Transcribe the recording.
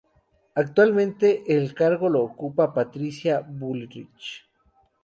Actualmente el cargo lo ocupa Patricia Bullrich.